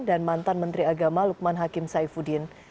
dan mantan menteri agama lukman hakim saifuddin